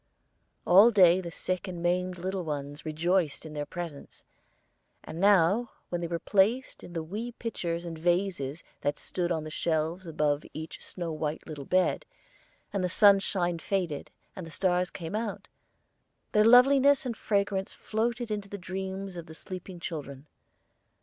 All day had the sick and maimed little ones rejoiced in their presence; and now when they were placed in the wee pitchers and vases that stood on the shelves above each snow white little bed, and the sunshine faded, and the stars came out, their loveliness and fragrance floated into the dreams of the sleeping children.